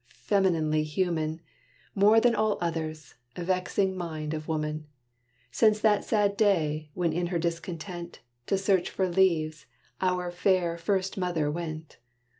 femininely human! More than all others, vexing mind of woman, Since that sad day, when in her discontent, To search for leaves, our fair first mother went.